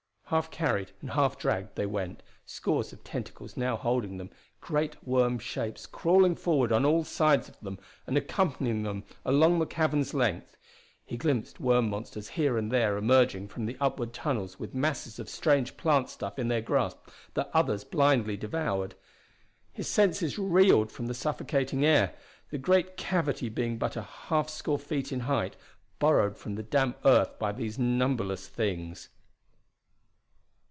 Half carried and half dragged they went, scores of tentacles now holding them, great worm shapes crawling forward on all sides of them and accompanying them along the cavern's length. He glimpsed worm monsters here and there emerging from the upward tunnels with masses of strange plant stuff in their grasp that others blindly devoured. His senses reeled from the suffocating air, the great cavity being but a half score feet in height, burrowed from the damp earth by these numberless things.